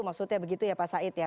maksudnya begitu ya pak said ya